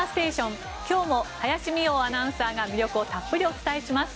今日も林美桜アナウンサーが魅力をたっぷりお伝えします。